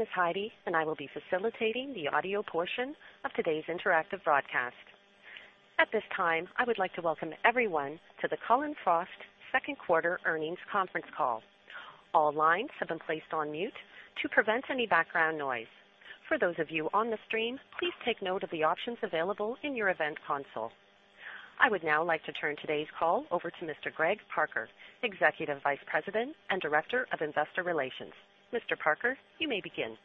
My name is Heidi, and I will be facilitating the audio portion of today's interactive broadcast. At this time, I would like to welcome everyone to the Cullen/Frost second quarter earnings conference call. All lines have been placed on mute to prevent any background noise. For those of you on the stream, please take note of the options available in your event console. I would now like to turn today's call over to Mr. Greg Parker, Executive Vice President and Director of Investor Relations. Mr. Parker, you may begin.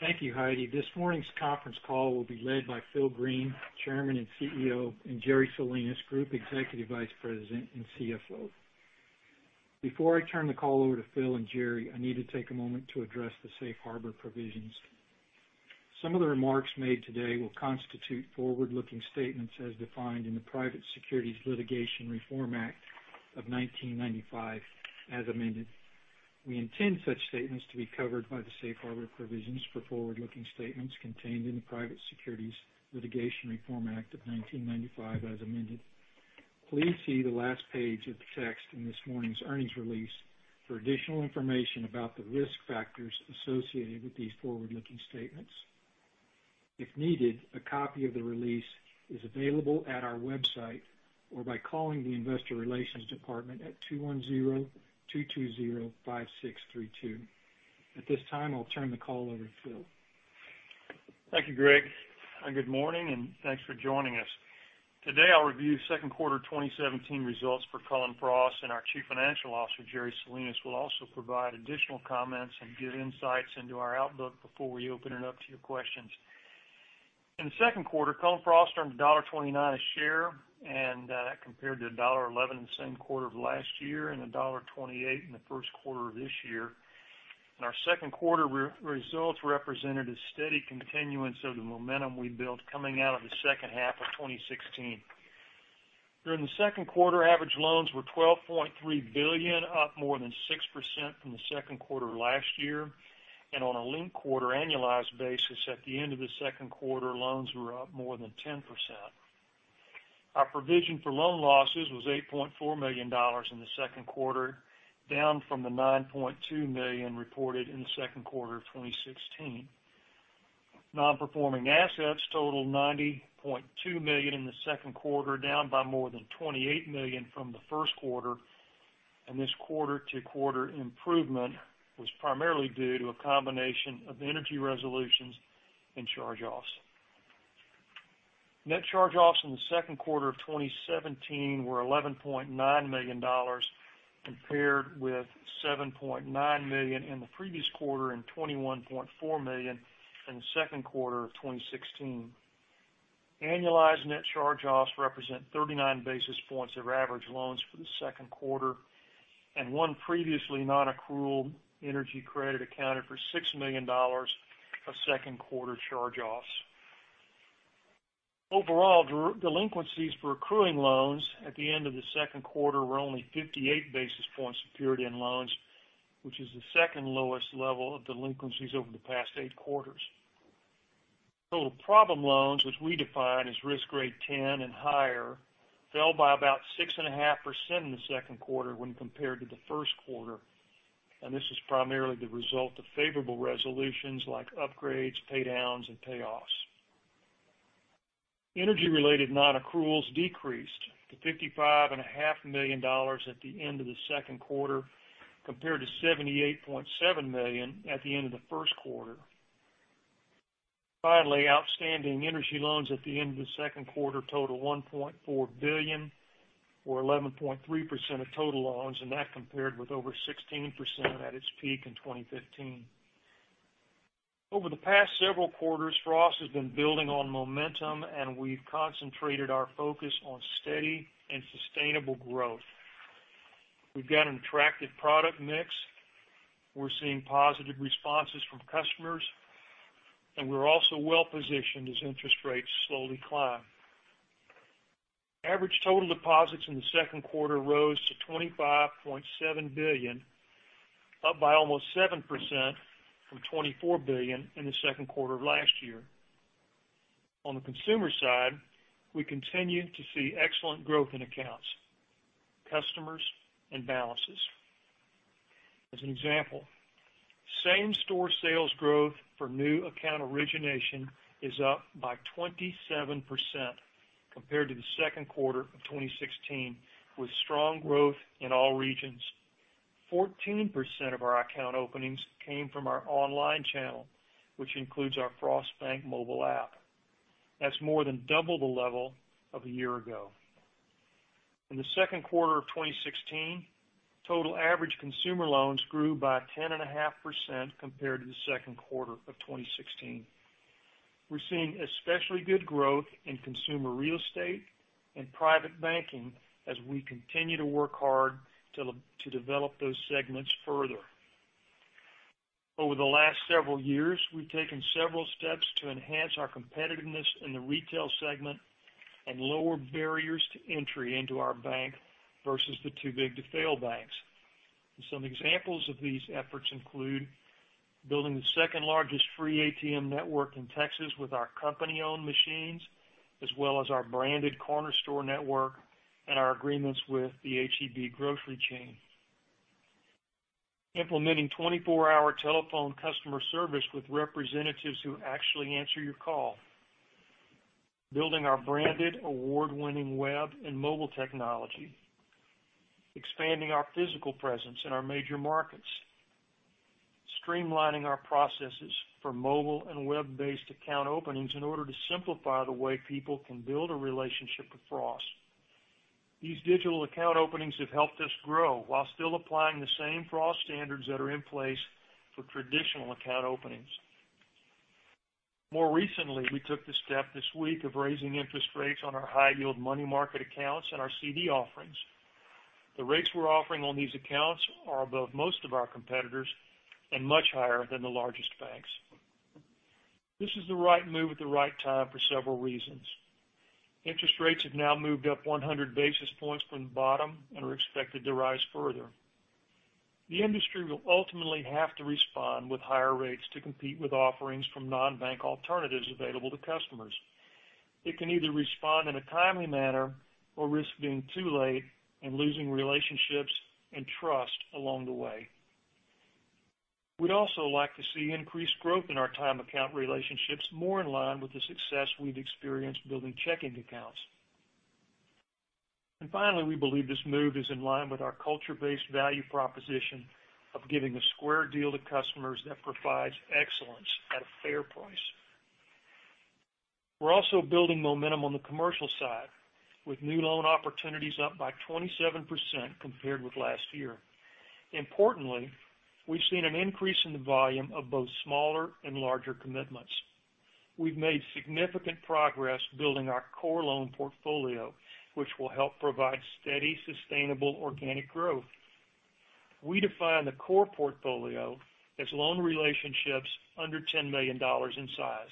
Thank you, Heidi. This morning's conference call will be led by Phil Green, Chairman and CEO, and Jerry Salinas, Group Executive Vice President and CFO. Before I turn the call over to Phil and Jerry, I need to take a moment to address the safe harbor provisions. Some of the remarks made today will constitute forward-looking statements as defined in the Private Securities Litigation Reform Act of 1995 as amended. We intend such statements to be covered by the safe harbor provisions for forward-looking statements contained in the Private Securities Litigation Reform Act of 1995 as amended. Please see the last page of the text in this morning's earnings release for additional information about the risk factors associated with these forward-looking statements. If needed, a copy of the release is available at our website or by calling the investor relations department at 210-220-5632. At this time, I'll turn the call over to Phil. Thank you, Greg. Good morning, and thanks for joining us. Today, I'll review second quarter 2017 results for Cullen/Frost, and our Chief Financial Officer, Jerry Salinas, will also provide additional comments and give insights into our outlook before we open it up to your questions. In the second quarter, Cullen/Frost earned $1.29 a share. That compared to $1.11 in the same quarter of last year and $1.28 in the first quarter of this year. Our second quarter results represented a steady continuance of the momentum we built coming out of the second half of 2016. During the second quarter, average loans were $12.3 billion, up more than 6% from the second quarter last year. On a linked quarter annualized basis at the end of the second quarter, loans were up more than 10%. Our provision for loan losses was $8.4 million in the second quarter, down from the $9.2 million reported in the second quarter of 2016. Non-performing assets totaled $90.2 million in the second quarter, down by more than $28 million from the first quarter. This quarter-to-quarter improvement was primarily due to a combination of energy resolutions and charge-offs. Net charge-offs in the second quarter of 2017 were $11.9 million, compared with $7.9 million in the previous quarter and $21.4 million in the second quarter of 2016. Annualized net charge-offs represent 39 basis points of average loans for the second quarter. One previously non-accrual energy credit accounted for $6 million of second quarter charge-offs. Overall, delinquencies for accruing loans at the end of the second quarter were only 58 basis points of period-end loans, which is the second lowest level of delinquencies over the past eight quarters. Total problem loans, which we define as risk grade 10 and higher, fell by about 6.5% in the second quarter when compared to the first quarter. This was primarily the result of favorable resolutions like upgrades, paydowns, and payoffs. Energy-related non-accruals decreased to $55.5 million at the end of the second quarter, compared to $78.7 million at the end of the first quarter. Outstanding energy loans at the end of the second quarter totaled $1.4 billion, or 11.3% of total loans. That compared with over 16% at its peak in 2015. Over the past several quarters, Frost has been building on momentum. We've concentrated our focus on steady and sustainable growth. We've got an attractive product mix, we're seeing positive responses from customers. We're also well-positioned as interest rates slowly climb. Average total deposits in the second quarter rose to $25.7 billion, up by almost 7% from $24 billion in the second quarter of last year. On the consumer side, we continue to see excellent growth in accounts, customers, and balances. As an example, same-store sales growth for new account origination is up by 27% compared to the second quarter of 2016, with strong growth in all regions. 14% of our account openings came from our online channel, which includes our Frost Bank mobile app. That's more than double the level of a year ago. In the second quarter of 2016, total average consumer loans grew by 10.5% compared to the second quarter of 2016. We're seeing especially good growth in consumer real estate and private banking as we continue to work hard to develop those segments further. Over the last several years, we've taken several steps to enhance our competitiveness in the retail segment and lower barriers to entry into our bank versus the too-big-to-fail banks. Some examples of these efforts include building the second-largest free ATM network in Texas with our company-owned machines, as well as our branded Corner Store network and our agreements with the H-E-B grocery chain. Implementing 24-hour telephone customer service with representatives who actually answer your call. Building our branded award-winning web and mobile technology. Expanding our physical presence in our major markets. Streamlining our processes for mobile and web-based account openings in order to simplify the way people can build a relationship with Frost. These digital account openings have helped us grow while still applying the same Frost standards that are in place for traditional account openings. More recently, we took the step this week of raising interest rates on our high yield money market accounts and our CD offerings. The rates we're offering on these accounts are above most of our competitors and much higher than the largest banks. This is the right move at the right time for several reasons. Interest rates have now moved up 100 basis points from the bottom and are expected to rise further. The industry will ultimately have to respond with higher rates to compete with offerings from non-bank alternatives available to customers. It can either respond in a timely manner or risk being too late and losing relationships and trust along the way. We'd also like to see increased growth in our time account relationships, more in line with the success we've experienced building checking accounts. Finally, we believe this move is in line with our culture-based value proposition of giving a square deal to customers that provides excellence at a fair price. We're also building momentum on the commercial side with new loan opportunities up by 27% compared with last year. Importantly, we've seen an increase in the volume of both smaller and larger commitments. We've made significant progress building our core loan portfolio, which will help provide steady, sustainable organic growth. We define the core portfolio as loan relationships under $10 million in size.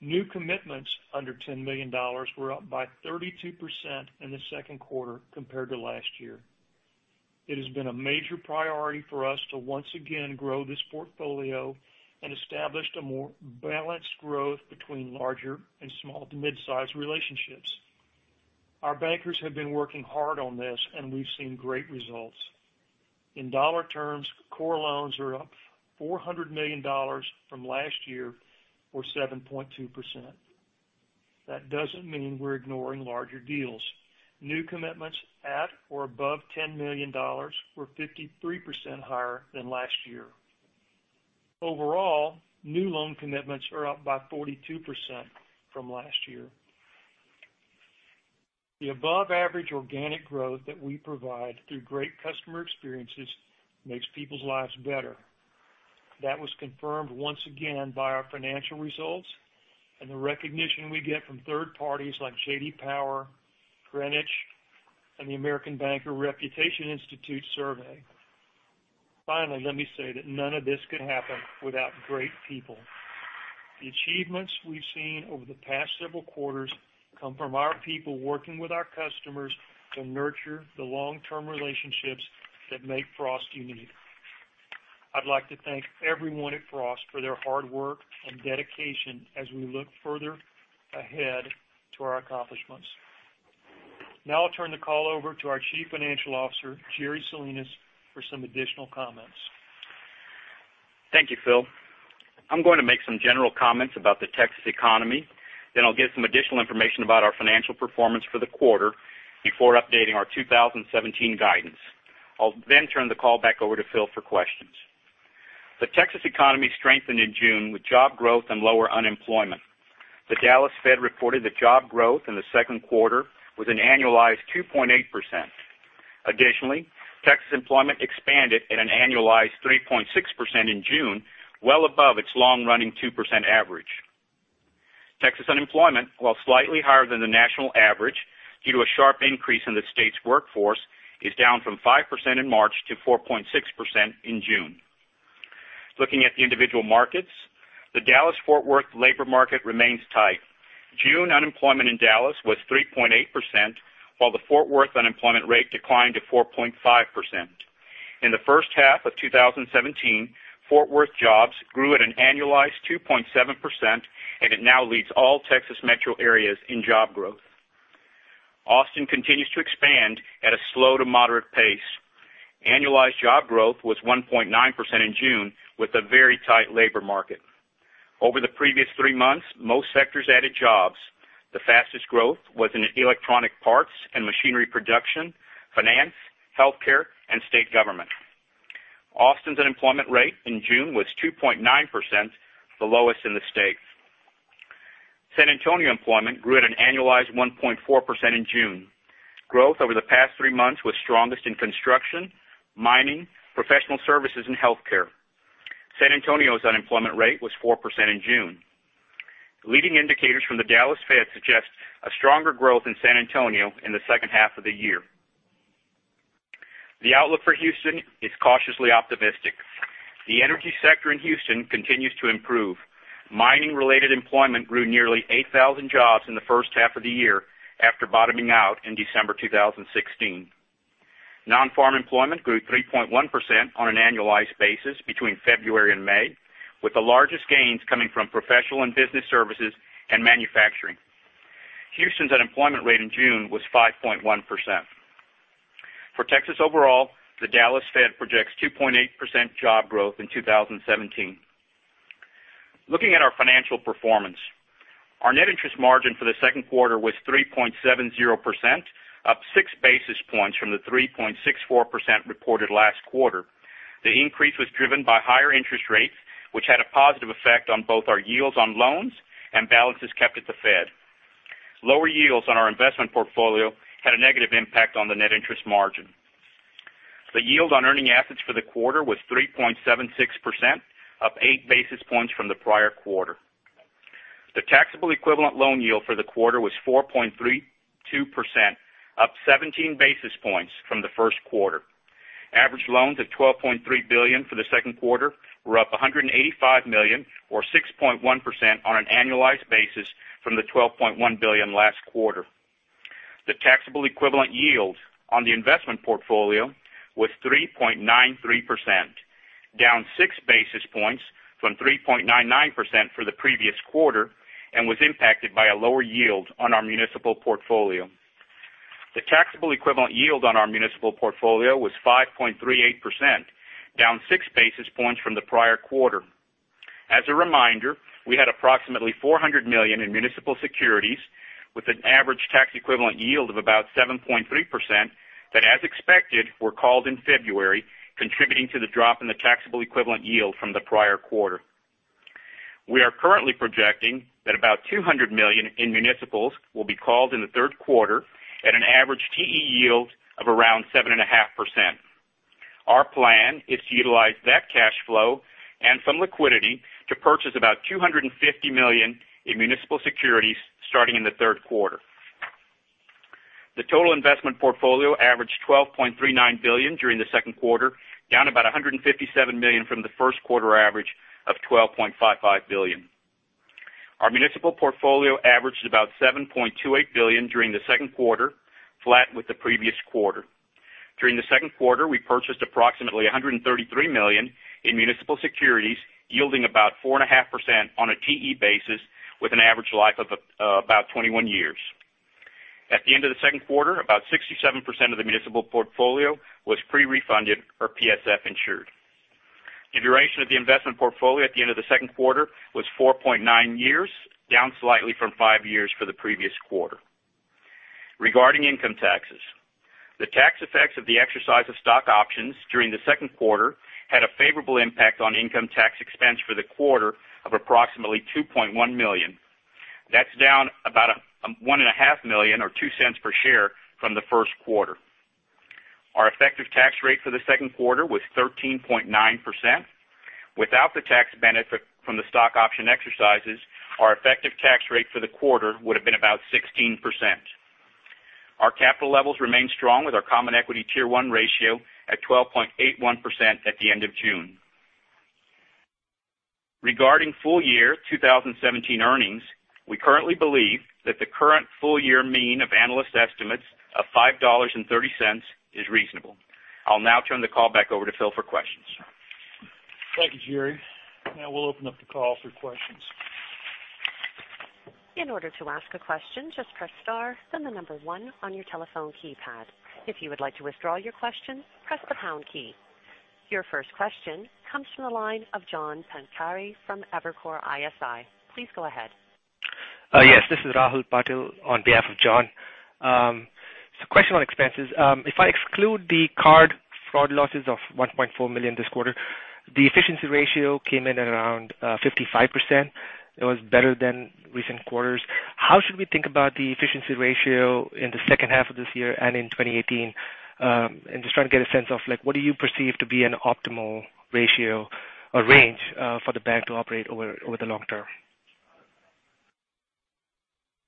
New commitments under $10 million were up by 32% in the second quarter compared to last year. It has been a major priority for us to once again grow this portfolio and established a more balanced growth between larger and small to mid-size relationships. Our bankers have been working hard on this, and we've seen great results. In dollar terms, core loans are up $400 million from last year or 7.2%. That doesn't mean we're ignoring larger deals. New commitments at or above $10 million were 53% higher than last year. Overall, new loan commitments are up by 42% from last year. The above average organic growth that we provide through great customer experiences makes people's lives better. That was confirmed once again by our financial results and the recognition we get from third parties like J.D. Power, Greenwich, and the American Banker Reputation Institute survey. Let me say that none of this could happen without great people. The achievements we've seen over the past several quarters come from our people working with our customers to nurture the long-term relationships that make Frost unique. I'd like to thank everyone at Frost for their hard work and dedication as we look further ahead to our accomplishments. Now I'll turn the call over to our Chief Financial Officer, Jerry Salinas, for some additional comments. Thank you, Phil. I'm going to make some general comments about the Texas economy. I'll give some additional information about our financial performance for the quarter before updating our 2017 guidance. I'll turn the call back over to Phil for questions. The Texas economy strengthened in June with job growth and lower unemployment. The Dallas Fed reported that job growth in the second quarter was an annualized 2.8%. Additionally, Texas employment expanded at an annualized 3.6% in June, well above its long running 2% average. Texas unemployment, while slightly higher than the national average due to a sharp increase in the state's workforce, is down from 5% in March to 4.6% in June. Looking at the individual markets, the Dallas-Fort Worth labor market remains tight. June unemployment in Dallas was 3.8%, while the Fort Worth unemployment rate declined to 4.5%. In the first half of 2017, Fort Worth jobs grew at an annualized 2.7%. It now leads all Texas metro areas in job growth. Austin continues to expand at a slow to moderate pace. Annualized job growth was 1.9% in June with a very tight labor market. Over the previous three months, most sectors added jobs. The fastest growth was in electronic parts and machinery production, finance, healthcare, and state government. Austin's unemployment rate in June was 2.9%, the lowest in the state. San Antonio employment grew at an annualized 1.4% in June. Growth over the past three months was strongest in construction, mining, professional services, and healthcare. San Antonio's unemployment rate was 4% in June. Leading indicators from the Dallas Fed suggest a stronger growth in San Antonio in the second half of the year. The outlook for Houston is cautiously optimistic. The energy sector in Houston continues to improve. Mining related employment grew nearly 8,000 jobs in the first half of the year after bottoming out in December 2016. Non-farm employment grew 3.1% on an annualized basis between February and May, with the largest gains coming from professional and business services and manufacturing. Houston's unemployment rate in June was 5.1%. For Texas overall, the Dallas Fed projects 2.8% job growth in 2017. Looking at our financial performance, our net interest margin for the second quarter was 3.70%, up six basis points from the 3.64% reported last quarter. The increase was driven by higher interest rates, which had a positive effect on both our yields on loans and balances kept at the Fed. Lower yields on our investment portfolio had a negative impact on the net interest margin. The yield on earning assets for the quarter was 3.76%, up eight basis points from the prior quarter. The taxable equivalent loan yield for the quarter was 4.32%, up 17 basis points from the first quarter. Average loans of $12.3 billion for the second quarter were up $185 million, or 6.1%, on an annualized basis from the $12.1 billion last quarter. The taxable equivalent yield on the investment portfolio was 3.93%, down six basis points from 3.99% for the previous quarter. It was impacted by a lower yield on our municipal portfolio. The taxable equivalent yield on our municipal portfolio was 5.38%, down six basis points from the prior quarter. As a reminder, we had approximately $400 million in municipal securities with an average tax equivalent yield of about 7.3%, that, as expected, were called in February, contributing to the drop in the taxable equivalent yield from the prior quarter. We are currently projecting that about $200 million in municipals will be called in the third quarter at an average TE yield of around 7.5%. Our plan is to utilize that cash flow and some liquidity to purchase about $250 million in municipal securities starting in the third quarter. The total investment portfolio averaged $12.39 billion during the second quarter, down about $157 million from the first quarter average of $12.55 billion. Our municipal portfolio averaged about $7.28 billion during the second quarter, flat with the previous quarter. During the second quarter, we purchased approximately $133 million in municipal securities, yielding about 4.5% on a TE basis with an average life of about 21 years. At the end of the second quarter, about 67% of the municipal portfolio was pre-refunded or PSF insured. The duration of the investment portfolio at the end of the second quarter was 4.9 years, down slightly from five years for the previous quarter. Regarding income taxes, the tax effects of the exercise of stock options during the second quarter had a favorable impact on income tax expense for the quarter of approximately $2.1 million. That's down about $1.5 million or $0.02 per share from the first quarter. Our effective tax rate for the second quarter was 13.9%. Without the tax benefit from the stock option exercises, our effective tax rate for the quarter would've been about 16%. Our capital levels remain strong with our common equity Tier 1 ratio at 12.81% at the end of June. Regarding full year 2017 earnings, we currently believe that the current full year mean of analyst estimates of $5.30 is reasonable. I'll now turn the call back over to Phil for questions. Thank you, Jerry. We'll open up the call for questions. In order to ask a question, just press star, then the number one on your telephone keypad. If you would like to withdraw your question, press the pound key. Your first question comes from the line of John Pancari from Evercore ISI. Please go ahead. Yes, this is Rahul Patil on behalf of John. Question on expenses. If I exclude the card fraud losses of $1.4 million this quarter, the efficiency ratio came in at around 55%. It was better than recent quarters. How should we think about the efficiency ratio in the second half of this year and in 2018? Just trying to get a sense of what do you perceive to be an optimal ratio or range for the bank to operate over the long term?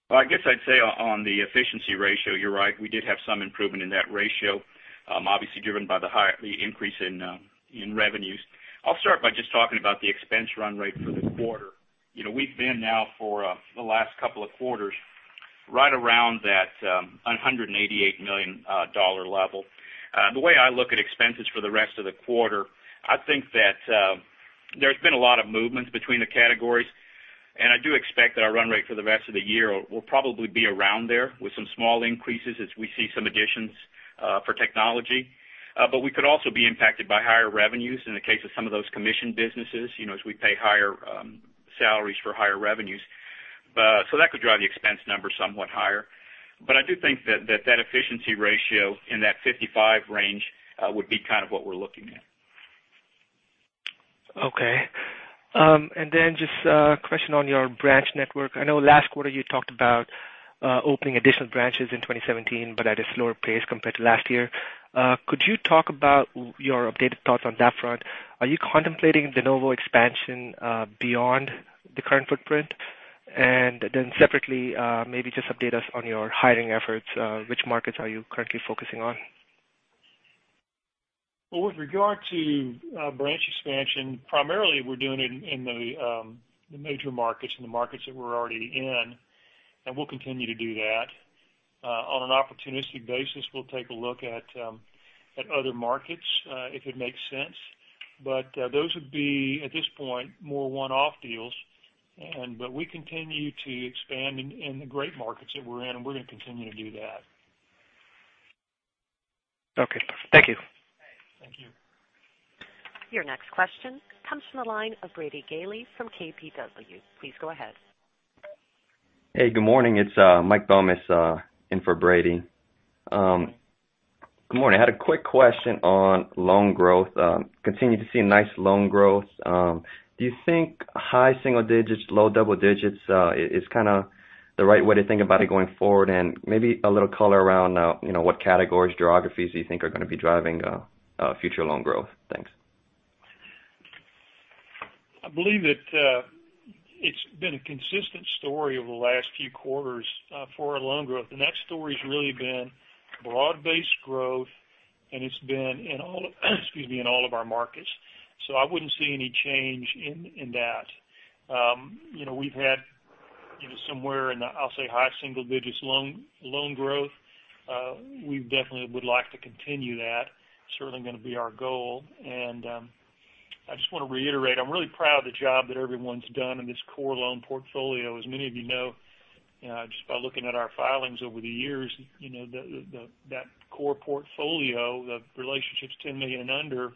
Well, I guess I'd say on the efficiency ratio, you're right. We did have some improvement in that ratio, obviously driven by the increase in revenues. I'll start by just talking about the expense run rate for the quarter. We've been now for the last couple of quarters right around that $188 million level. The way I look at expenses for the rest of the quarter, I think that there's been a lot of movements between the categories, I do expect that our run rate for the rest of the year will probably be around there with some small increases as we see some additions for technology. We could also be impacted by higher revenues in the case of some of those commission businesses, as we pay higher salaries for higher revenues. That could drive the expense number somewhat higher. I do think that that efficiency ratio in that 55 range would be kind of what we're looking at. Okay. Just a question on your branch network. I know last quarter you talked about opening additional branches in 2017, at a slower pace compared to last year. Could you talk about your updated thoughts on that front? Are you contemplating de novo expansion beyond the current footprint? Separately, maybe just update us on your hiring efforts. Which markets are you currently focusing on? Well, with regard to branch expansion, primarily we're doing it in the major markets, in the markets that we're already in, and we'll continue to do that. On an opportunistic basis, we'll take a look at other markets, if it makes sense. Those would be, at this point, more one-off deals. We continue to expand in the great markets that we're in, and we're going to continue to do that. Okay. Thank you. Thank you. Your next question comes from the line of Brady Gailey from KBW. Please go ahead. Hey, good morning, it's Mike Balog in for Brady. Good morning. I had a quick question on loan growth. Continue to see nice loan growth. Do you think high single digits, low double digits is kind of the right way to think about it going forward? Maybe a little color around what categories, geographies you think are going to be driving future loan growth. Thanks. I believe that it's been a consistent story over the last few quarters for our loan growth, and that story's really been broad-based growth, and it's been in all of our markets. I wouldn't see any change in that. We've had somewhere in the, I'll say, high single digits loan growth. We definitely would like to continue that, certainly going to be our goal. I just want to reiterate, I'm really proud of the job that everyone's done in this core loan portfolio. As many of you know, just by looking at our filings over the years, that core portfolio, the relationships $10 million under,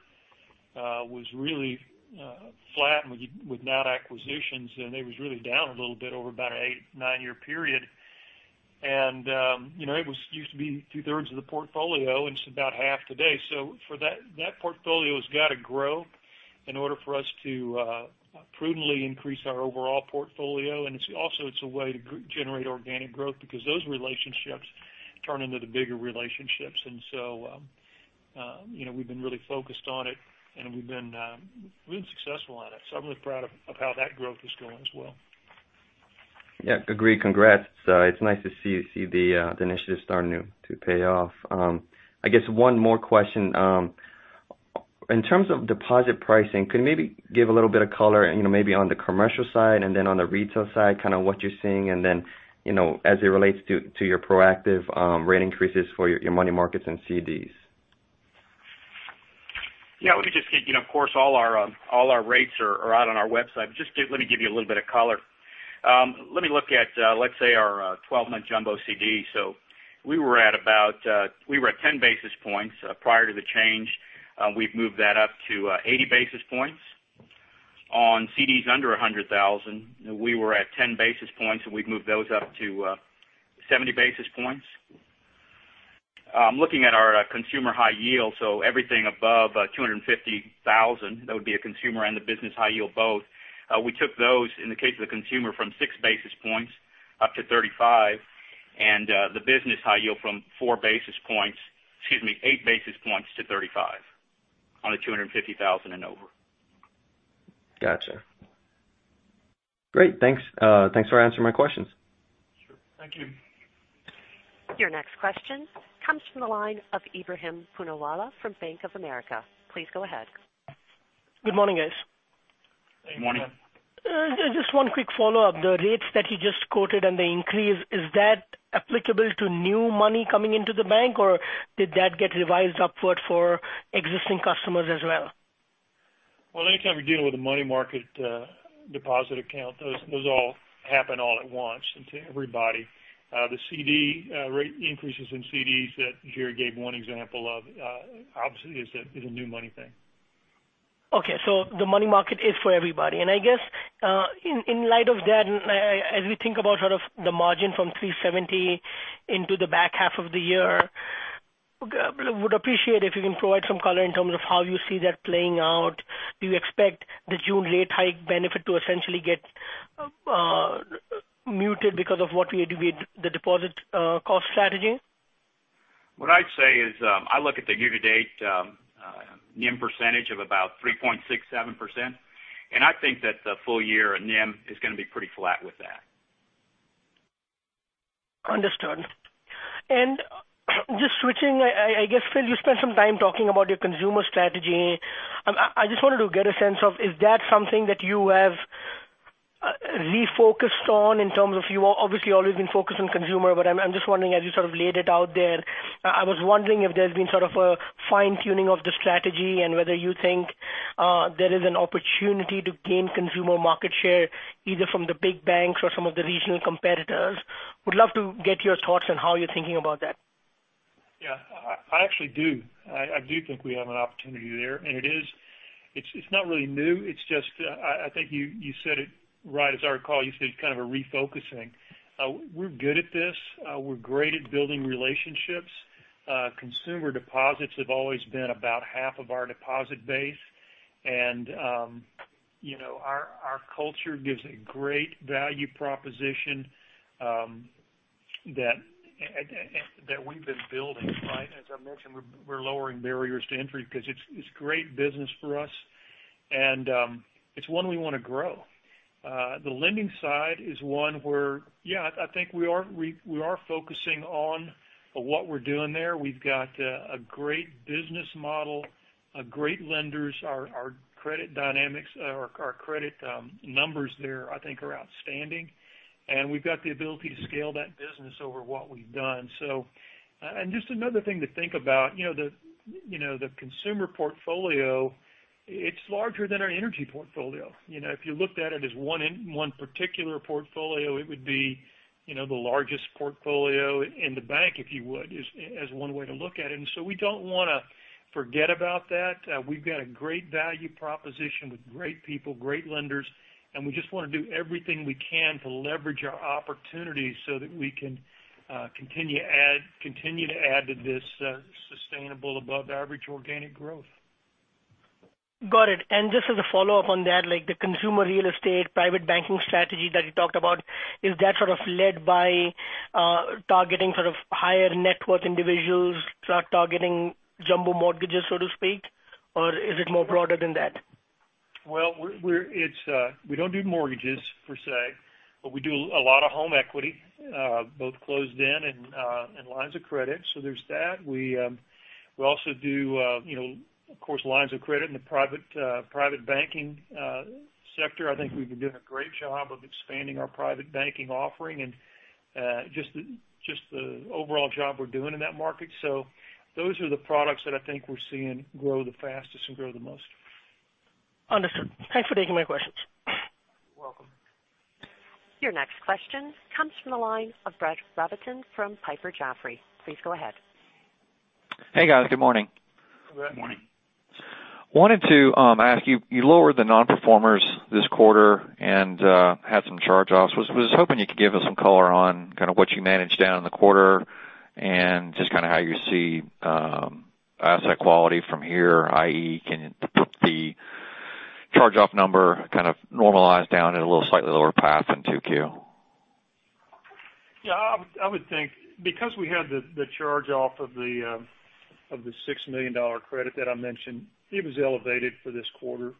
was really flat without acquisitions, and it was really down a little bit over about an eight, nine-year period. It used to be two-thirds of the portfolio, and it's about half today. That portfolio has got to grow in order for us to prudently increase our overall portfolio. Also it's a way to generate organic growth because those relationships turn into the bigger relationships. We've been really focused on it, and we've been successful on it. I'm really proud of how that growth is going as well. Yeah, agreed. Congrats. It's nice to see the initiatives starting to pay off. I guess one more question. In terms of deposit pricing, could you maybe give a little bit of color, maybe on the commercial side and then on the retail side, kind of what you're seeing and then, as it relates to your proactive rate increases for your money markets and CDs? Of course, all our rates are out on our website, but just let me give you a little bit of color. Let me look at, let's say our 12-month jumbo CD. We were at 10 basis points prior to the change. We've moved that up to 80 basis points. On CDs under $100,000, we were at 10 basis points, and we've moved those up to 70 basis points. Looking at our consumer high yield, everything above $250,000, that would be a consumer and the business high yield both, we took those, in the case of the consumer, from six basis points up to 35, and the business high yield from eight basis points to 35 on the $250,000 and over. Gotcha. Great. Thanks for answering my questions. Sure. Thank you. Your next question comes from the line of Ebrahim Poonawala from Bank of America. Please go ahead. Good morning, guys. Good morning. Morning. Just one quick follow-up. The rates that you just quoted and the increase, is that applicable to new money coming into the bank, or did that get revised upward for existing customers as well? Well, anytime you're dealing with a money market deposit account, those all happen all at once and to everybody. The CD rate increases in CDs that Jerry gave one example of, obviously is a new money thing. Okay, the money market is for everybody. I guess, in light of that, as we think about sort of the margin from 3.70% into the back half of the year, would appreciate if you can provide some color in terms of how you see that playing out. Do you expect the June rate hike benefit to essentially get muted because of what we had with the deposit cost strategy? What I'd say is, I look at the year-to-date NIM percentage of about 3.67%, and I think that the full year NIM is going to be pretty flat with that. Understood. Just switching, I guess, Phil, you spent some time talking about your consumer strategy. I just wanted to get a sense of, is that something that you have refocused on in terms of you obviously always been focused on consumer, but I'm just wondering, as you sort of laid it out there, I was wondering if there's been sort of a fine-tuning of the strategy and whether you think there is an opportunity to gain consumer market share, either from the big banks or some of the regional competitors. Would love to get your thoughts on how you're thinking about that. Yeah. I actually do. I do think we have an opportunity there. It's not really new. It's just I think you said it right. As I recall, you said it's kind of a refocusing. We're good at this. We're great at building relationships. Consumer deposits have always been about half of our deposit base. Our culture gives a great value proposition that we've been building. As I mentioned, we're lowering barriers to entry because it's great business for us. It's one we want to grow. The lending side is one Yeah, I think we are focusing on what we're doing there. We've got a great business model, great lenders. Our credit numbers there, I think, are outstanding. We've got the ability to scale that business over what we've done. Just another thing to think about, the consumer portfolio, it's larger than our energy portfolio. If you looked at it as one particular portfolio, it would be the largest portfolio in the bank, if you would, as one way to look at it. We don't want to forget about that. We've got a great value proposition with great people, great lenders, and we just want to do everything we can to leverage our opportunities so that we can continue to add to this sustainable above-average organic growth. Got it. Just as a follow-up on that, the consumer real estate private banking strategy that you talked about, is that sort of led by targeting sort of higher net worth individuals, targeting jumbo mortgages, so to speak? Or is it more broader than that? Well, we don't do mortgages per se, but we do a lot of home equity, both closed-end and lines of credit. There's that. We also do, of course, lines of credit in the private banking sector. I think we've been doing a great job of expanding our private banking offering and just the overall job we're doing in that market. Those are the products that I think we're seeing grow the fastest and grow the most. Understood. Thanks for taking my questions. You're welcome. Your next question comes from the line of Brad Robertson from Piper Jaffray. Please go ahead. Hey, guys. Good morning. Good morning. Wanted to ask you lowered the non-performers this quarter and had some charge-offs. Was hoping you could give us some color on kind of what you managed down in the quarter and just kind of how you see asset quality from here, i.e., can the charge-off number kind of normalize down at a little slightly lower path than 2Q? Yeah, I would think because we had the charge-off of the $6 million credit that I mentioned, it was elevated for this quarter.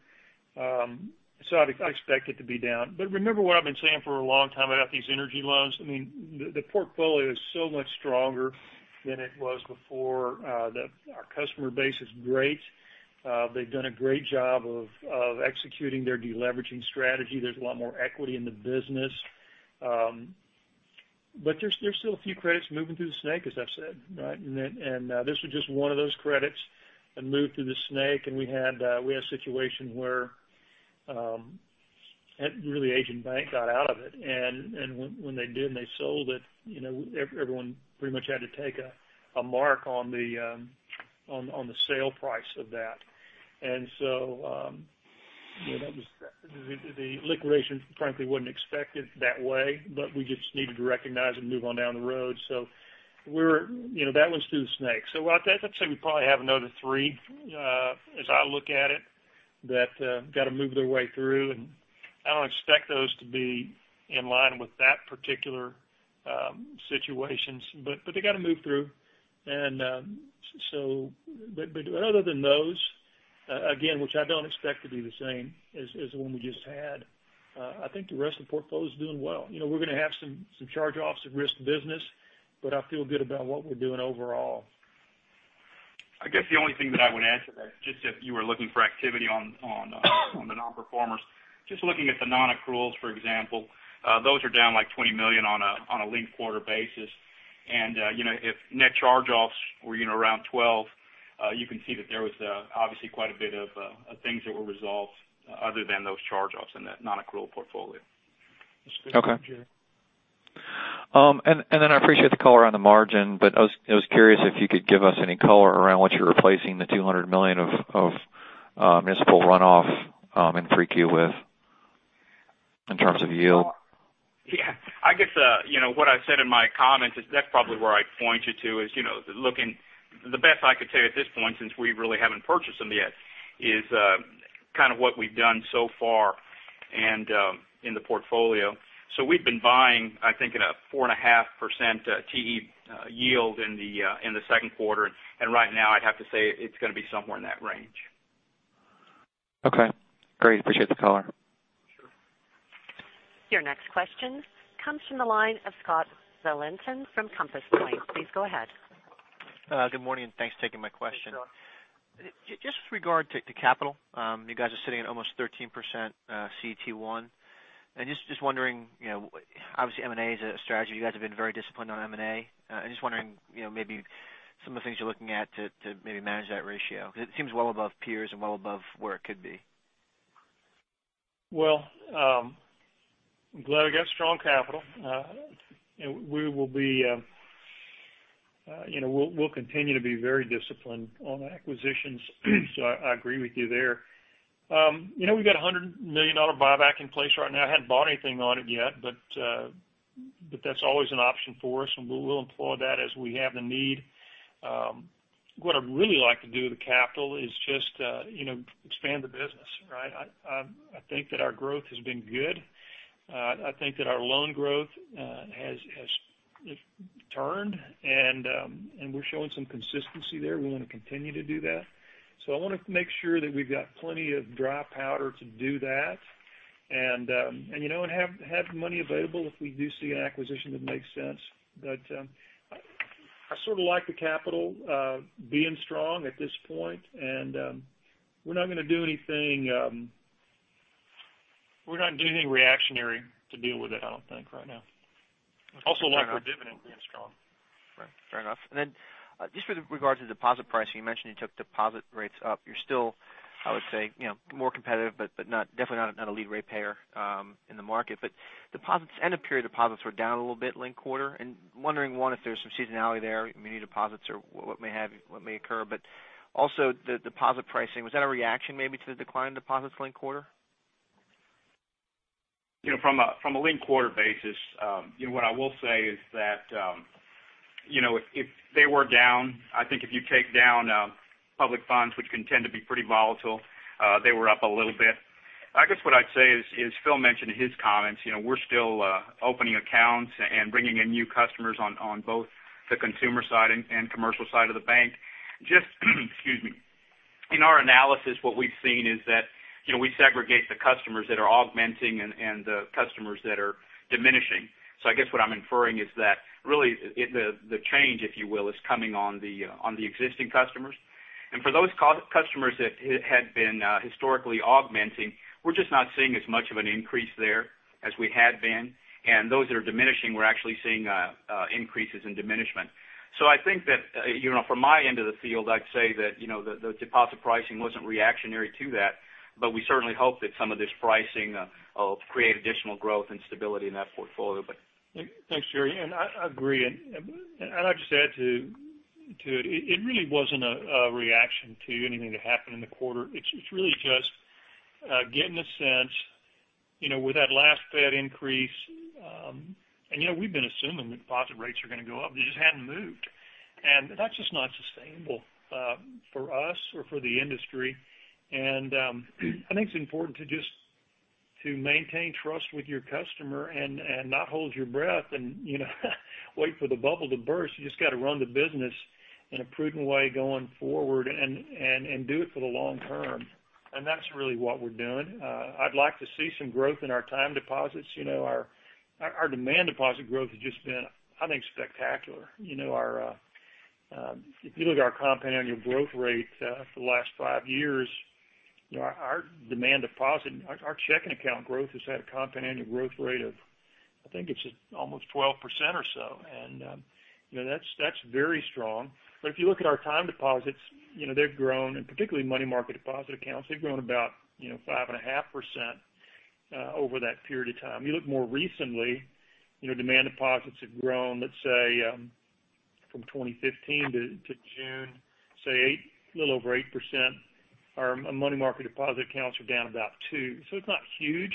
I'd expect it to be down. Remember what I've been saying for a long time about these energy loans. I mean, the portfolio is so much stronger than it was before. Our customer base is great. They've done a great job of executing their de-leveraging strategy. There's a lot more equity in the business. There's still a few credits moving through the snake, as I've said, right? This was just one of those credits that moved through the snake, and we had a situation where really agent bank got out of it. When they did, and they sold it, everyone pretty much had to take a mark on the sale price of that. The liquidation frankly wasn't expected that way, but we just needed to recognize and move on down the road. That one's through the snake. I'd say we probably have another three, as I look at it, that got to move their way through, and I don't expect those to be in line with that particular situation. They got to move through. Other than those, again, which I don't expect to be the same as the one we just had, I think the rest of the portfolio is doing well. We're going to have some charge-offs of risk business, but I feel good about what we're doing overall. I guess the only thing that I would add to that, just if you were looking for activity on the non-performers, just looking at the non-accruals, for example, those are down like $20 million on a linked quarter basis. If net charge-offs were around 12, you can see that there was obviously quite a bit of things that were resolved other than those charge-offs in that non-accrual portfolio. Okay. I appreciate the color on the margin. I was curious if you could give us any color around what you're replacing the $200 million of municipal runoff in 3Q with in terms of yield. Yeah. I guess what I said in my comments is that's probably where I'd point you to is, the best I could say at this point, since we really haven't purchased them yet, is kind of what we've done so far in the portfolio. We've been buying, I think, in a 4.5% TE yield in the second quarter. Right now, I'd have to say it's going to be somewhere in that range. Okay, great. Appreciate the color. Sure. Your next question comes from the line of Scott Valentin from Compass Point. Please go ahead. Good morning. Thanks for taking my question. Hey, Scott. Just with regard to capital, you guys are sitting at almost 13% CET1. Just wondering, obviously M&A is a strategy. You guys have been very disciplined on M&A. I'm just wondering maybe some of the things you're looking at to maybe manage that ratio. It seems well above peers and well above where it could be. Well, I'm glad we got strong capital. We'll continue to be very disciplined on acquisitions, so I agree with you there. We've got a $100 million buyback in place right now. I hadn't bought anything on it yet, but that's always an option for us, and we'll employ that as we have the need. What I'd really like to do with the capital is just expand the business, right? I think that our growth has been good. I think that our loan growth has turned and we're showing some consistency there. We want to continue to do that. I want to make sure that we've got plenty of dry powder to do that, and have money available if we do see an acquisition that makes sense. I sort of like the capital being strong at this point, and we're not going to do anything reactionary to deal with it, I don't think right now. Also like our dividend being strong. Right. Fair enough. Just with regards to deposit pricing, you mentioned you took deposit rates up. You're still, I would say, more competitive, but definitely not a lead rate payer in the market. Deposits, end of period deposits, were down a little bit linked quarter, and wondering, one, if there's some seasonality there, muni deposits or what may occur. Also the deposit pricing, was that a reaction maybe to the decline in deposits linked quarter? From a linked quarter basis, what I will say is that if they were down, I think if you take down public funds, which can tend to be pretty volatile, they were up a little bit. I guess what I'd say is, as Phil mentioned in his comments, we're still opening accounts and bringing in new customers on both the consumer side and commercial side of the bank. Just excuse me. In our analysis, what we've seen is that we segregate the customers that are augmenting and the customers that are diminishing. I guess what I'm inferring is that really, the change, if you will, is coming on the existing customers. For those customers that had been historically augmenting, we're just not seeing as much of an increase there as we had been. Those that are diminishing, we're actually seeing increases in diminishment. I think that from my end of the field, I'd say that the deposit pricing wasn't reactionary to that, but we certainly hope that some of this pricing will create additional growth and stability in that portfolio. Thanks, Jerry. I agree. I'd just add to it really wasn't a reaction to anything that happened in the quarter. It's really just getting a sense with that last Fed increase. We've been assuming that deposit rates are going to go up. They just hadn't moved. That's just not sustainable for us or for the industry. I think it's important to maintain trust with your customer and not hold your breath and wait for the bubble to burst. You just got to run the business in a prudent way going forward and do it for the long term. That's really what we're doing. I'd like to see some growth in our time deposits. Our demand deposit growth has just been, I think, spectacular. If you look at our compound annual growth rate for the last five years, our demand deposit, our checking account growth has had a compound annual growth rate of, I think it's almost 12% or so. That's very strong. If you look at our time deposits, they've grown, and particularly money market deposit accounts, they've grown about 5.5% over that period of time. You look more recently, demand deposits have grown, let's say from 2015 to June, say a little over 8%. Our money market deposit accounts are down about two, so it's not huge.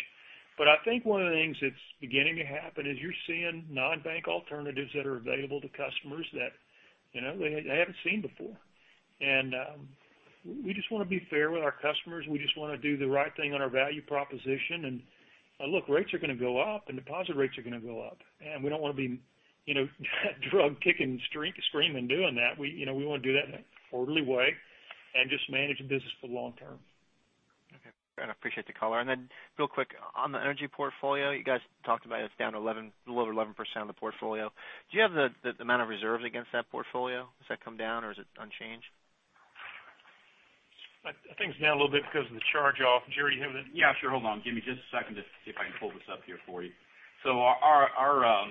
I think one of the things that's beginning to happen is you're seeing non-bank alternatives that are available to customers that they haven't seen before. We just want to be fair with our customers. We just want to do the right thing on our value proposition. Look, rates are going to go up, and deposit rates are going to go up, and we don't want to be drag kicking and screaming doing that. We want to do that in an orderly way and just manage the business for the long term. Okay. I appreciate the color. Real quick, on the energy portfolio, you guys talked about it's down a little over 11% of the portfolio. Do you have the amount of reserves against that portfolio? Has that come down or is it unchanged? I think it's down a little bit because of the charge-off. Jerry, do you have that? Yeah, sure. Hold on. Give me just a second to see if I can pull this up here for you. Our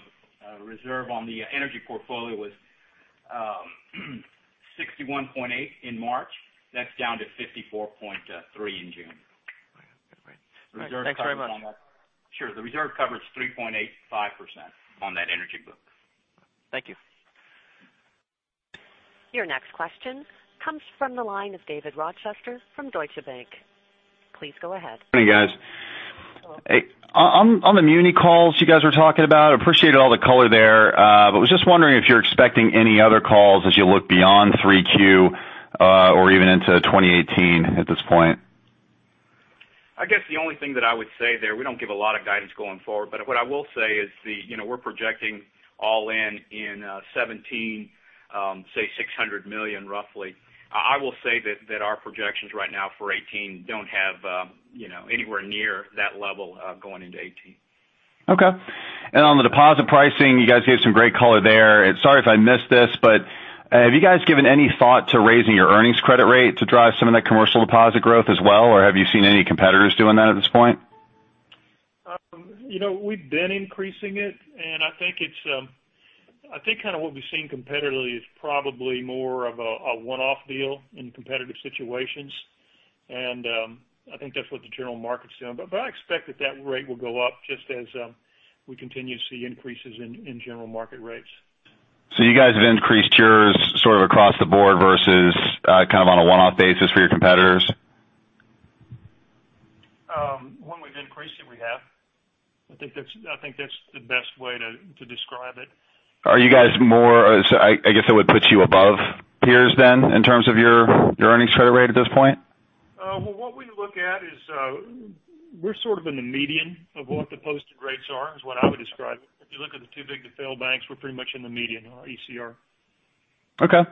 reserve on the energy portfolio was 61.8 in March. That's down to 54.3 in June. Okay, great. All right. Thanks very much. Sure. The reserve coverage is 3.85% on that energy book. Thank you. Your next question comes from the line of David Rochester from Deutsche Bank. Please go ahead. Good morning, guys. On the muni calls you guys were talking about, I appreciated all the color there. Was just wondering if you're expecting any other calls as you look beyond 3Q or even into 2018 at this point. I guess the only thing that I would say there, we don't give a lot of guidance going forward, but what I will say is we're projecting all in in 2017, say $600 million roughly. I will say that our projections right now for 2018 don't have anywhere near that level going into 2018. Okay. On the deposit pricing, you guys gave some great color there. Sorry if I missed this, have you guys given any thought to raising your earnings credit rate to drive some of that commercial deposit growth as well? Have you seen any competitors doing that at this point? We've been increasing it. I think what we've seen competitively is probably more of a one-off deal in competitive situations, and I think that's what the general market's doing. I expect that that rate will go up just as we continue to see increases in general market rates. You guys have increased yours sort of across the board versus kind of on a one-off basis for your competitors? When we've increased it, we have. I think that's the best way to describe it. I guess that would put you above peers in terms of your earnings credit rate at this point? Well, what we look at is we're sort of in the median of what the posted rates are, is what I would describe it. If you look at the too-big-to-fail banks, we're pretty much in the median on our ECR. Okay.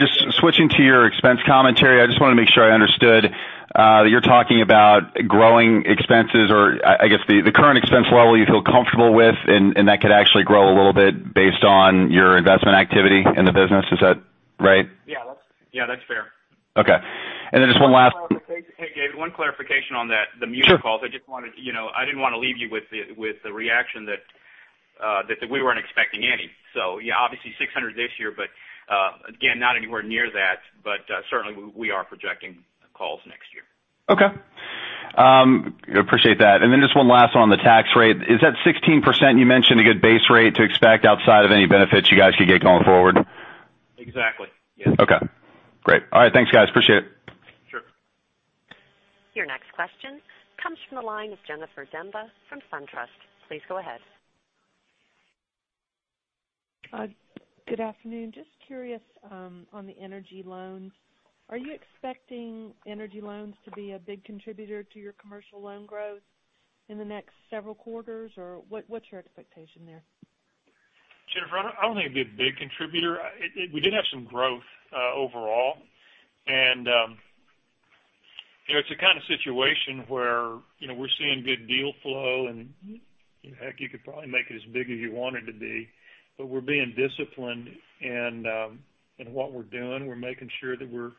Just switching to your expense commentary, I just want to make sure I understood, that you're talking about growing expenses, I guess the current expense level you feel comfortable with, that could actually grow a little bit based on your investment activity in the business. Is that right? Yeah. That's fair. Okay. then just one last. Hey, David, one clarification on the muni calls. Sure. I didn't want to leave you with the reaction that we weren't expecting any. Yeah, obviously 600 this year, again, not anywhere near that, certainly, we are projecting calls next year. Okay. Appreciate that. Then just one last one on the tax rate. Is that 16% you mentioned a good base rate to expect outside of any benefits you guys could get going forward? Exactly. Yes. Okay. Great. All right. Thanks, guys. Appreciate it. Sure. Your next question comes from the line of Jennifer Demba from SunTrust. Please go ahead. Good afternoon. Just curious on the energy loans. Are you expecting energy loans to be a big contributor to your commercial loan growth in the next several quarters? Or what's your expectation there? Jennifer, I don't think it'd be a big contributor. We did have some growth overall. It's a kind of situation where we're seeing good deal flow and, heck, you could probably make it as big as you want it to be. We're being disciplined in what we're doing. We're making sure that we're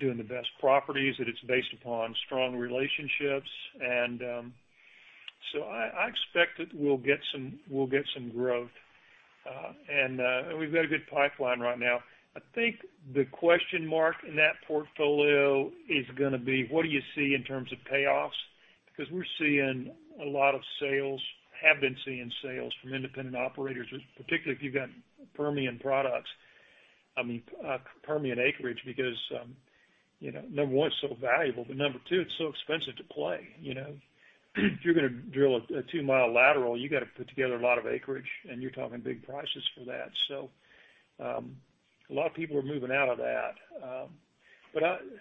doing the best properties, that it's based upon strong relationships. I expect that we'll get some growth. We've got a good pipeline right now. I think the question mark in that portfolio is going to be what do you see in terms of payoffs? Because we're seeing a lot of sales, have been seeing sales from independent operators, particularly if you've got Permian products, I mean, Permian acreage, because number one, it's so valuable, but number two, it's so expensive to play. If you're going to drill a two-mile lateral, you got to put together a lot of acreage. You're talking big prices for that. A lot of people are moving out of that.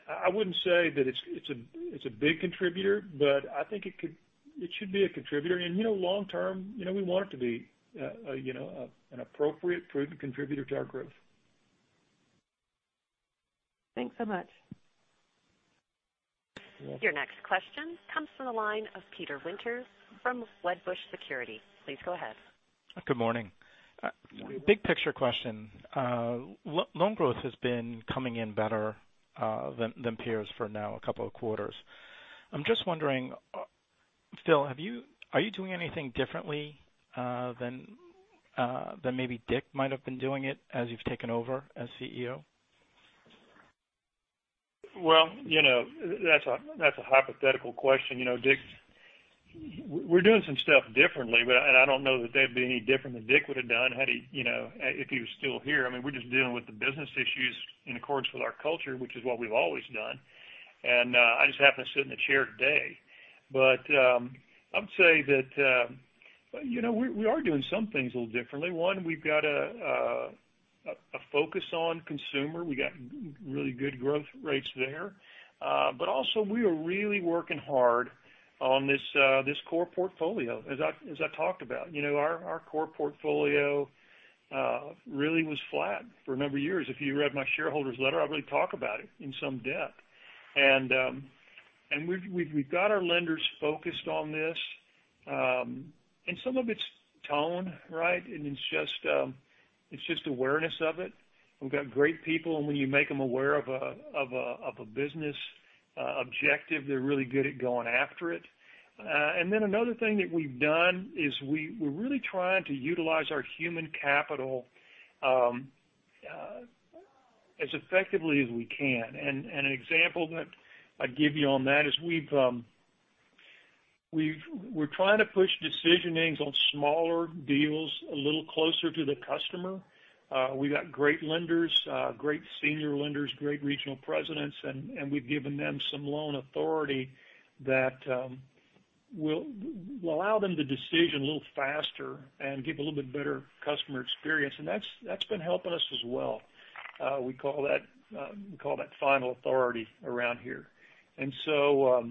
I wouldn't say that it's a big contributor, but I think it should be a contributor. Long term, we want it to be an appropriate contributor to our growth. Thanks so much. Your next question comes from the line of Peter Winter from Wedbush Securities. Please go ahead. Good morning. Good morning. Big picture question. Loan growth has been coming in better than peers for now a couple of quarters. I'm just wondering, Phil, are you doing anything differently than maybe Dick might have been doing it as you've taken over as CEO? That's a hypothetical question. We're doing some stuff differently, I don't know that that'd be any different than Dick would've done if he was still here. We're just dealing with the business issues in accordance with our culture, which is what we've always done, I just happen to sit in the chair today. I would say that we are doing some things a little differently. One, we've got a focus on consumer. We got really good growth rates there. Also we are really working hard on this core portfolio, as I talked about. Our core portfolio really was flat for a number of years. If you read my shareholders' letter, I really talk about it in some depth. We've got our lenders focused on this. Some of it's tone, right? It's just awareness of it. We've got great people, and when you make them aware of a business objective, they're really good at going after it. Another thing that we've done is we're really trying to utilize our human capital as effectively as we can. An example that I'd give you on that is we're trying to push decisionings on smaller deals a little closer to the customer. We got great lenders, great senior lenders, great regional presidents, and we've given them some loan authority that will allow them to decision a little faster and give a little bit better customer experience, and that's been helping us as well. We call that final authority around here. It's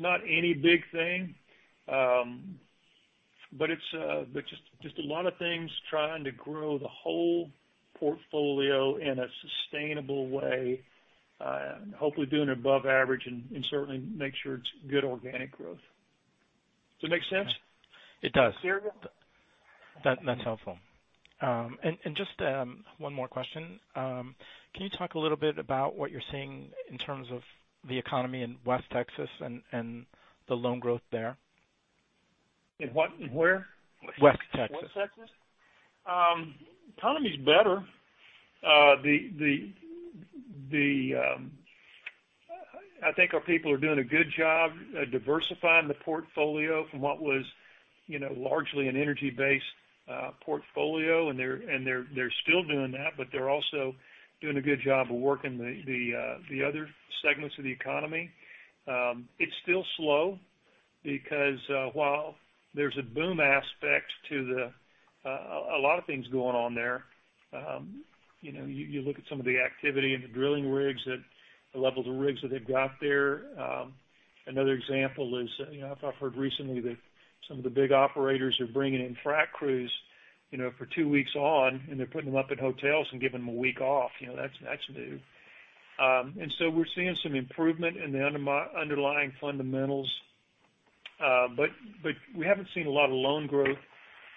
not any big thing, but just a lot of things trying to grow the whole portfolio in a sustainable way, hopefully doing above average, and certainly make sure it's good organic growth. Does that make sense? It does. Hear me? That's helpful. Just one more question. Can you talk a little bit about what you're seeing in terms of the economy in West Texas and the loan growth there? In what and where? West Texas. West Texas? Economy's better. I think our people are doing a good job diversifying the portfolio from what was largely an energy-based portfolio, and they're still doing that, but they're also doing a good job of working the other segments of the economy. It's still slow. Because while there's a boom aspect to a lot of things going on there, you look at some of the activity and the drilling rigs, the levels of rigs that they've got there. Another example is, I've heard recently that some of the big operators are bringing in frack crews for two weeks on, and they're putting them up in hotels and giving them a week off. That's new. We're seeing some improvement in the underlying fundamentals. We haven't seen a lot of loan growth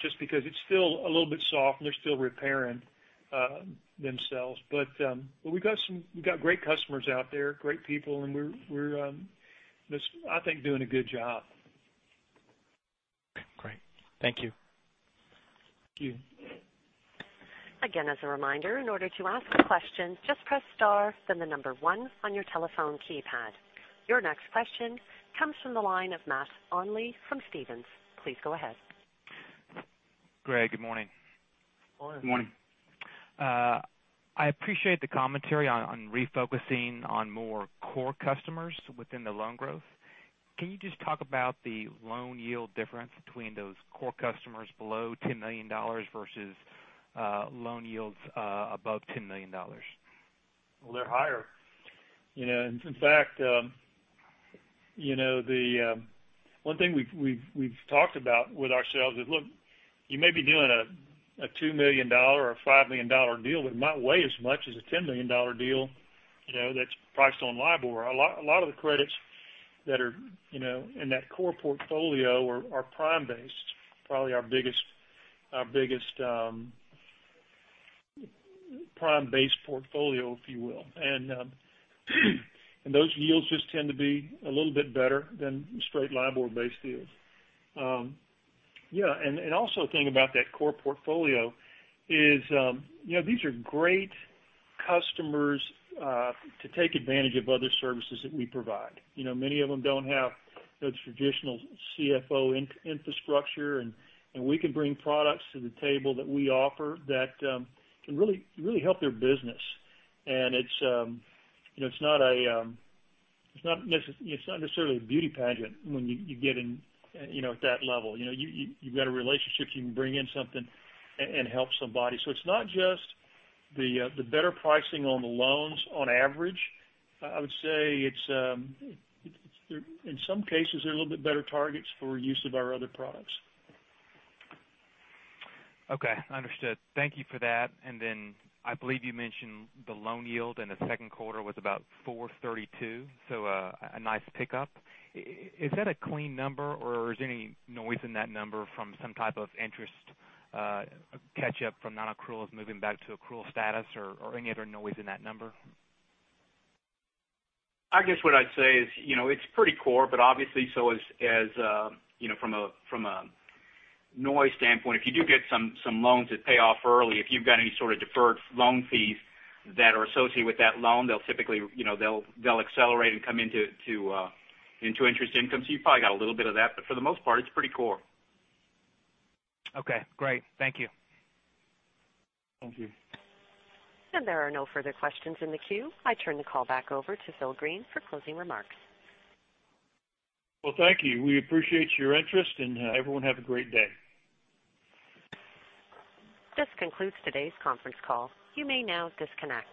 just because it's still a little bit soft, and they're still repairing themselves. We've got great customers out there, great people, and we're, I think, doing a good job. Great. Thank you. Thank you. As a reminder, in order to ask a question, just press star, then the number one on your telephone keypad. Your next question comes from the line of Matt Olney from Stephens. Please go ahead. Greg, good morning. Morning. Morning. I appreciate the commentary on refocusing on more core customers within the loan growth. Can you just talk about the loan yield difference between those core customers below $10 million versus loan yields above $10 million? Well, they're higher. In fact, one thing we've talked about with ourselves is, look, you may be doing a $2 million or a $5 million deal, but it might weigh as much as a $10 million deal that's priced on LIBOR. A lot of the credits that are in that core portfolio are prime-based, probably our biggest prime-based portfolio, if you will. Those yields just tend to be a little bit better than straight LIBOR-based deals. Yeah, also a thing about that core portfolio is these are great customers to take advantage of other services that we provide. Many of them don't have the traditional CFO infrastructure, and we can bring products to the table that we offer that can really help their business. It's not necessarily a beauty pageant when you get at that level. You've got a relationship, you can bring in something and help somebody. It's not just the better pricing on the loans on average. I would say, in some cases, they're a little bit better targets for use of our other products. Okay, understood. Thank you for that. I believe you mentioned the loan yield in the second quarter was about 4.32, so a nice pickup. Is that a clean number, or is there any noise in that number from some type of interest catch up from non-accruals moving back to accrual status or any other noise in that number? I guess what I'd say is, it's pretty core, but obviously, from a noise standpoint, if you do get some loans that pay off early, if you've got any sort of deferred loan fees that are associated with that loan, they'll accelerate and come into interest income. You've probably got a little bit of that, but for the most part, it's pretty core. Okay, great. Thank you. Thank you. There are no further questions in the queue. I turn the call back over to Phil Green for closing remarks. Well, thank you. We appreciate your interest, and everyone have a great day. This concludes today's conference call. You may now disconnect.